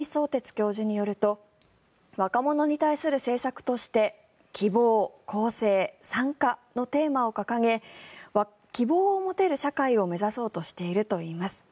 龍谷大学の李相哲教授によると若者に対する政策として希望、公正、参加のテーマを掲げ希望を持てる社会を目指そうとしているといいます。